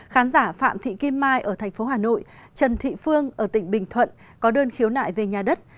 khán giả phạm thị kim mai ở thành phố hà nội trần thị phương ở tỉnh bình thuận có đơn khiếu nại về nhà đất